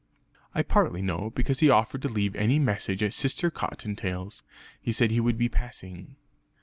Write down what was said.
I partly know, because he offered to leave any message at Sister Cottontail's; he said he would be passing."